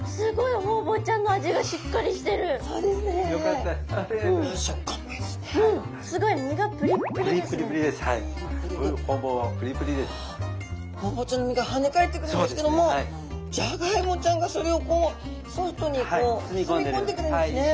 ホウボウちゃんの身が跳ね返ってくるんですけどもジャガイモちゃんがそれをこうソフトにこう包み込んでくれるんですね。